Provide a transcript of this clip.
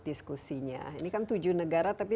diskusinya ini kan tujuh negara tapi